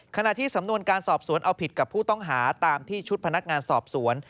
ขณะที่สำนวนการสอบสวนเอาผิดกับผู้ต้องหาตามที่ชุดพนักงานสอบสวน